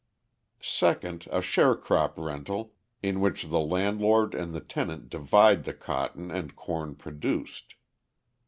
Second, a share crop rental, in which the landlord and the tenant divide the cotton and corn produced.